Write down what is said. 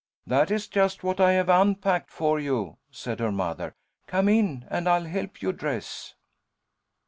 "That is just what I have unpacked for you," said her mother. "Come in and I'll help you dress."